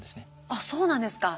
あっそうなんですか。